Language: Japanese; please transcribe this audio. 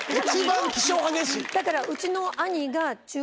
だからうちの兄が。